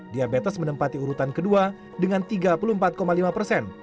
diabetes menempati urutan kedua dengan tiga puluh empat lima persen